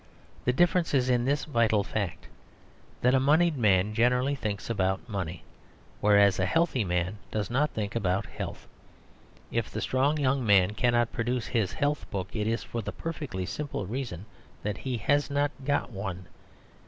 The difference is in this vital fact: that a monied man generally thinks about money, whereas a healthy man does not think about health. If the strong young man cannot produce his health book, it is for the perfectly simple reason that he has not got one.